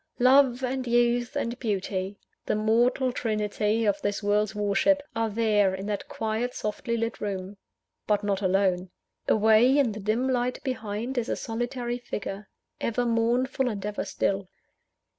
Love, and Youth, and Beauty the mortal Trinity of this world's worship are there, in that quiet softly lit room; but not alone. Away in the dim light behind, is a solitary figure, ever mournful and ever still.